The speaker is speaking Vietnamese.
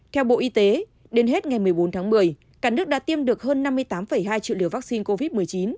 theo bộ y tế đến hết ngày một mươi bốn tháng một mươi cả nước đã tiêm được hơn năm mươi tám hai triệu liều vaccine covid một mươi chín